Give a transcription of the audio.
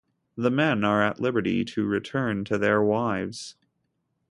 The men are at liberty to return to their wives.